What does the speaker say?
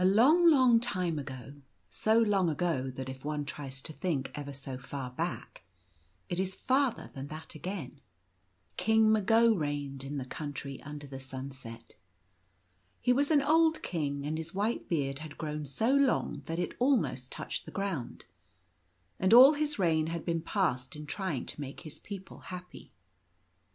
LONG, long rime ago — so long ago that if . one tries to think ever so far back, it is farther than that again — King Mago reigned in (he Country Under the Sunset. He was an old king, and his white beard had grown so long that it almost touched the ground ; and all his reign had been passed in trying to make his people happy.